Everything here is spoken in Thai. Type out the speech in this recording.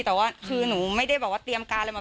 แต่ว่าคือหนูไม่ได้แบบว่าเตรียมการอะไรมา